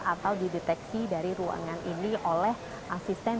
atau dideteksi dari ruangan ini oleh asisten